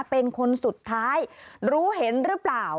เป็นคนสุดท้ายรู้เห็นหรือเปล่า